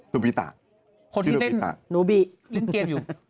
นูบีตะชื่อนูบีตะคนที่เล่นเกลียดอยู่